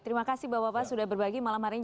terima kasih bapak bapak sudah berbagi malam hari ini